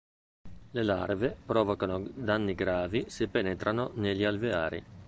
Le larve provocano danni gravi se penetrano negli alveari.